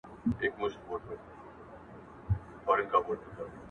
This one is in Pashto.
o کوم ظالم چي مي افغان په کاڼو ولي,